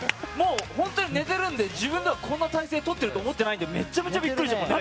本当に寝ているので自分ではこんな体勢をとっていると思ってないのでめちゃめちゃビックリしました。